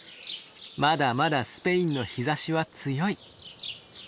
まだまだスペインの日ざしは強い。